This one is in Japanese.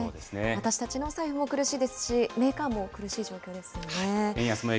私たちのお財布も苦しいですし、メーカーも苦しい状況ですよね。